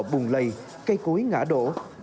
bùn lầy cây cối ngã đổ